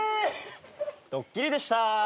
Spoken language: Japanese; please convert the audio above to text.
ドッキリでした！